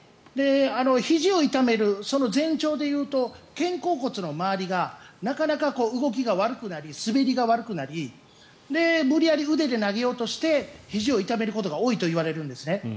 ひじを痛めるその前兆でいうと肩甲骨の周りがなかなか動きが悪くなり滑りが悪くなり無理やり腕で投げようとしてひじを痛めることが多いといわれるんですね。